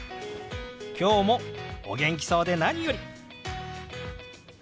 今日もお元気そうで何より！